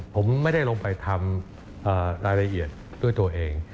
ผมไม่ได้ลงไปทำรายละเอียดด้วยตัวเอง